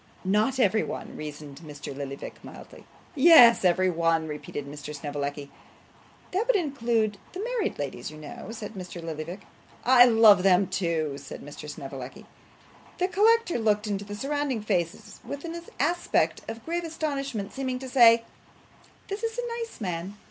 'Not every one,' reasoned Mr. Lillyvick, mildly. 'Yes, every one,' repeated Mr. Snevellicci. 'That would include the married ladies, you know,' said Mr. Lillyvick. 'I love them too, sir,' said Mr. Snevellicci. The collector looked into the surrounding faces with an aspect of grave astonishment, seeming to say, 'This is a nice man!